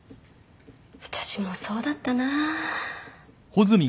私もそうだったな。